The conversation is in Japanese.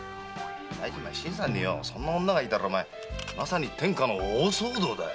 新さんにそんな女がいたらまさに天下の大騒動だよ。